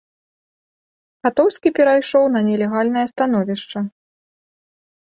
Катоўскі перайшоў на нелегальнае становішча.